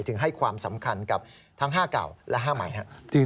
ถึงให้ความสำคัญกับทั้ง๕เก่าและ๕ใหม่ครับ